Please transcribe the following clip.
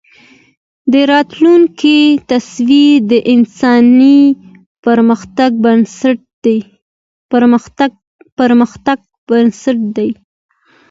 د راتلونکي تصور د انساني پرمختګ بنسټ دی.